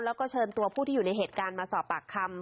แล้วก็เชิญตัวผู้ที่อยู่ในเหตุการณ์มาสอบปากคำ